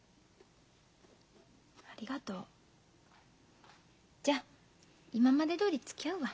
ありがとう。じゃあ今までどおりつきあうわ。